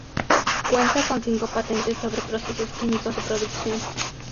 Cuenta con cinco patentes sobre procesos químicos de producción.